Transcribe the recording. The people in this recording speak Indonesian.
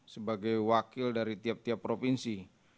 sebagai wakil dari tiap tiap provinsi